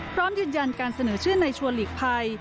พร้อมยืนยันการเสนอชื่อในชัวร์หลีกภัย